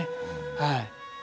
はい。